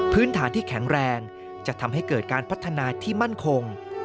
พื้นฐานที่แข็งแรงจะทำให้เกิดการพัฒนาที่มั่นคง